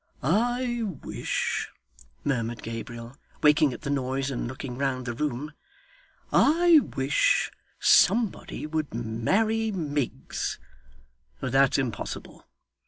'I wish,' murmured Gabriel, waking at the noise, and looking round the room, 'I wish somebody would marry Miggs. But that's impossible!